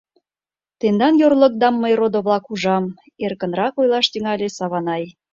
— Тендан йорлылыкдам мый, родо-влак, ужам, — эркынрак ойлаш тӱҥале Саванай.